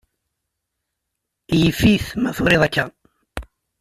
Yif-it ma turiḍ akka.